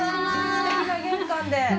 すてきな玄関で。